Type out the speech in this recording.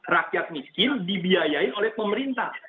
rakyat miskin dibiayain oleh pemerintah